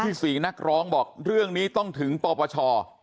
๔นักร้องบอกเรื่องนี้ต้องถึงปปช